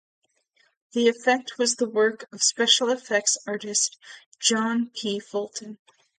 The effect was the work of special-effects artist John P. Fulton.